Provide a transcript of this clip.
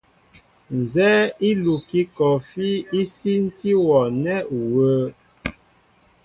Nzɛ́ɛ́ íkukí kɔɔfí í sínti wɔ nɛ́ u wə̄ə̄.